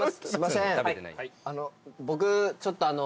僕ちょっとあの。